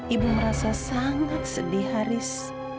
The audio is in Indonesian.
ibu merasa sangat sedih haris